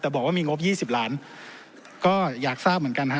แต่บอกว่ามีงบ๒๐ล้านก็อยากทราบเหมือนกันฮะ